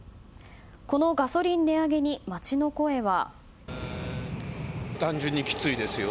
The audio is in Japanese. このガソリン値上げに街の声は。